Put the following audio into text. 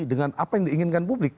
dengan apa yang diinginkan publik